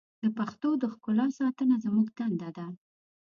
د پښتو د ښکلا ساتنه زموږ دنده ده.